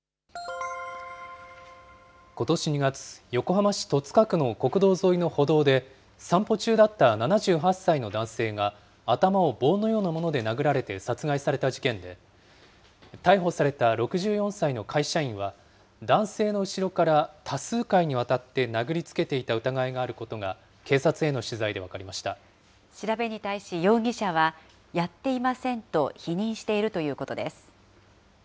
ことし２月、横浜市戸塚区の国道沿いの歩道で、散歩中だった７８歳の男性が、頭を棒のようなもので殴られて殺害された事件で、逮捕された６４歳の会社員は、男性の後ろから多数回にわたって殴りつけていた疑いがあることが、調べに対し容疑者は、やっていませんと否認しているということです。